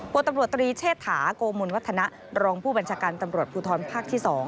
ผลตำรวจตรีเชษฐาโกมลวัฒนะรองผู้บัญชาการตำรวจภูทรภาคที่๒